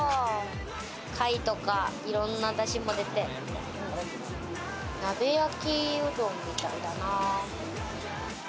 貝とかいろんなダシも出て、鍋焼きうどんみたいだな。